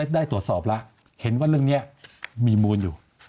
ได้ตรวจสอบแล้วเห็นว่าเรื่องนี้มีมูลอยู่